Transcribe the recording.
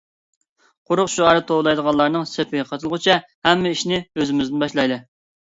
قۇرۇق شوئار توۋلايدىغانلارنىڭ سېپىگە قېتىلغۇچە ھەممە ئىشنى ئۆزىمىزدىن باشلايلى.